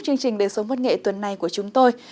chương trình đề sống văn nghệ tuần này của chúng tôi